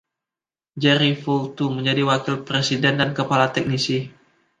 Jerry Vultue menjadi wakil presiden dan kepala teknisi.